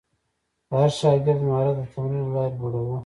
د هر شاګرد مهارت د تمرین له لارې لوړاوه.